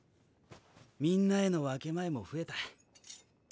みんなへの分け前も増えた。